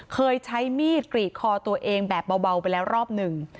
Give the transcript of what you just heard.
เคยใช้มีดกรีดคอตัวเองแบบเบาไปแล้วรอบหนึ่ง